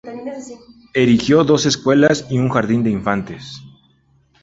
Erigió dos escuelas y un jardín de infantes.